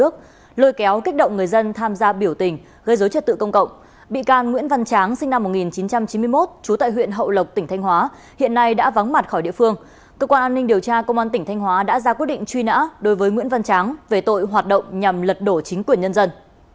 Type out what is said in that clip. cơ quan an ninh điều tra công an tỉnh thanh hóa đã ra quyết định truy nã đối với nguyễn văn tráng về tội hoạt động nhằm lật đổ chính quyền nhân dân